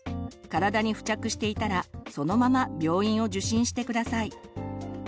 体に付着していたらそのまま病院を受診して下さい。